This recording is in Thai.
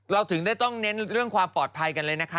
เราถึงได้ต้องเน้นเรื่องความปลอดภัยกันเลยนะคะ